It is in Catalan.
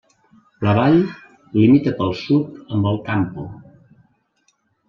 La vall limita pel sud amb el Campo.